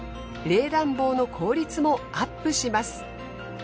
冷暖房の効率もアップします。